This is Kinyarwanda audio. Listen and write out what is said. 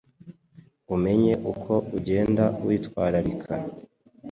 Umenye uko ugenda witwararika